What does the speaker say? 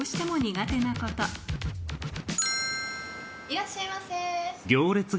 いらっしゃいませ。